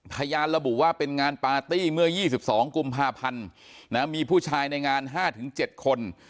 พยานระบุว่าเป็นงานปาร์ตี้เมื่อ๒๒กุมภาพันธ์มีผู้ชายในงาน๕๗คน